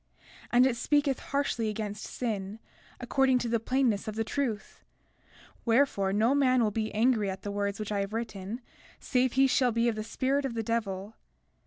33:5 And it speaketh harshly against sin, according to the plainness of the truth; wherefore, no man will be angry at the words which I have written save he shall be of the spirit of the devil.